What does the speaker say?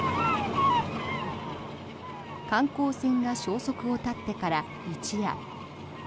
観光船が消息を絶ってから一夜。